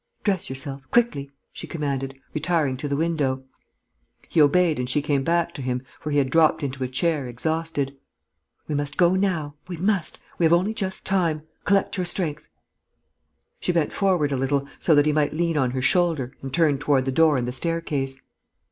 "Dress yourself ... quickly," she commanded, retiring to the window. He obeyed and she came back to him, for he had dropped into a chair, exhausted. "We must go now, we must, we have only just time.... Collect your strength." She bent forward a little, so that he might lean on her shoulder, and turned toward the door and the staircase.